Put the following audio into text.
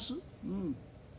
うん。